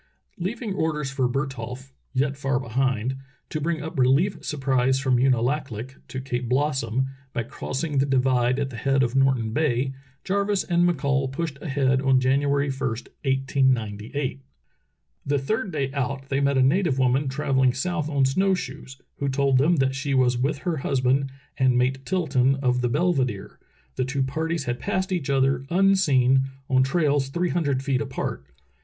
Leaving orders for Bertholf, yet far behind, to bring up relief supplies from Unalaklik to Cape Blossom, by crossing the divide at the head of Norton Bay, Jarvis and McCall pushed ahead on January i, 1898. The 28o True Tales of Arctic Heroism third day out they met a native woman travelling south on snow shoes, who told them that she was with her husband and Mate Tilton of the Belvedere; the two parties had passed each other, unseen, on trails three hundred feet apart.